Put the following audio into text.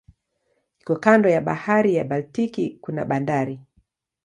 Iko kando ya bahari ya Baltiki kuna bandari.